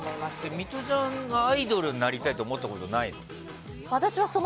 ミトちゃんがアイドルになりたいって思ったことないの？